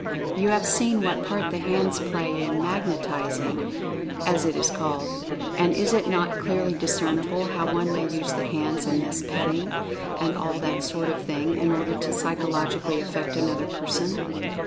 You have seen what part the hands play in "magnetizing" as it is called, and is it not clearly discernible how one may use the hands in this "petting," and all that sort of thing, in order to psychologically affect another person